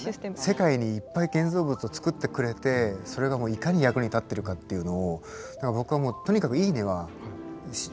世界にいっぱい建造物をつくってくれてそれがもういかに役に立ってるかっていうのを僕はもうとにかく「いいね」はもう限界まで押したいんですよ。